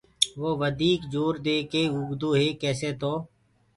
وو وڌيڪ زورو دي اوگدوئي ڪيسي تو